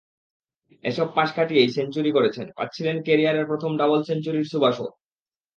এসব পাশ কাটিয়েই সেঞ্চুরি করেছেন, পাচ্ছিলেন ক্যারিয়ারের প্রথম ডাবল সেঞ্চুরির সুবাসও।